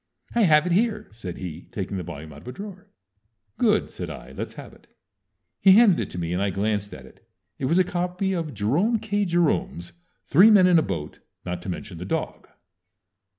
"I have it here," said he, taking the volume out of a drawer. "Good!" said I. "Let's have it." He handed it to me, and I glanced at it. _It was a copy of Jerome K. Jerome's "Three Men in a Boat, not to Mention the Dog!"